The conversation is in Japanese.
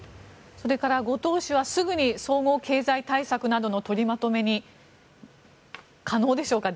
それから後藤氏はすぐに総合経済対策などの取りまとめ可能でしょうか。